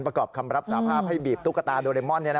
ประกอบคำรับสาภาพให้บีบตุ๊กตาโดเรมอน